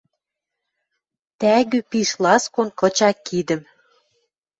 Тӓгӱ пиш ласкон кыча кидӹм.